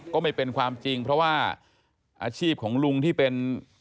ไม่เป็นความจริงเพราะว่าอาชีพของลุงที่เป็น